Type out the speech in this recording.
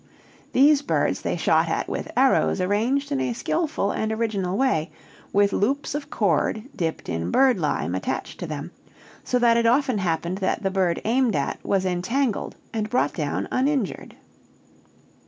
These birds they shot at with arrows arranged in a skillful and original way, with loops of cord dipped in birdlime attached to them, so that it often happened that the bird aimed at was entangled and brought down uninjured.